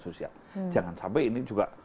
sosial jangan sampai ini juga